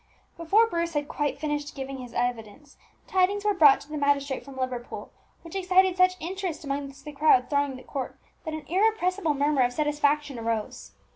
Before Bruce had quite finished giving his evidence, tidings were brought to the magistrate from Liverpool, which excited such interest amongst the crowd thronging the court that an irrepressible murmur of satisfaction arose.